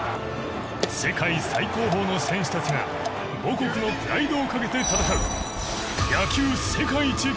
世界最高峰の選手たちが母国のプライドを懸けて戦う。